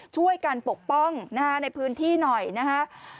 ช่วยการปกป้องหน้าในพื้นที่หน่อยนะครับ